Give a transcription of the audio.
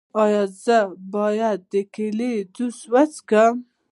ایا زه باید د کیلي جوس وڅښم؟